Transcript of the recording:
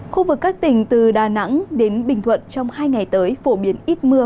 khu vực các tỉnh từ đà nẵng đến bình thuận trong hai ngày tới phổ biến ít mưa